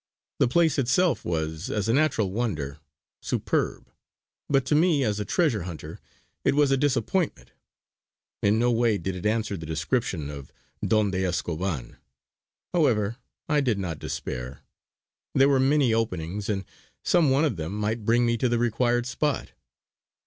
The place itself was, as a natural wonder, superb; but to me as a treasure hunter it was a disappointment. In no way did it answer the description of Don de Escoban. However I did not despair; there were many openings, and some one of them might bring me to the required spot.